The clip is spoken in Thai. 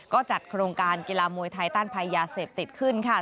ก็จัดโครงการกีฬามวยไทยต้านภัยยาเสพติดขึ้นค่ะ